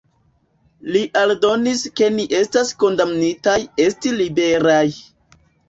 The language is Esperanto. Li aldonis ke “ni estas kondamnitaj esti liberaj”.